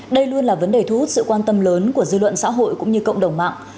đây luôn là vấn đề thu hút sự quan tâm lớn của dư luận xã hội cũng như cộng đồng mạng